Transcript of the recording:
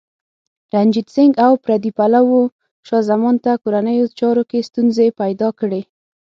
رنجیت سنګ او پردي پلوو شاه زمان ته کورنیو چارو کې ستونزې پیدا کړې.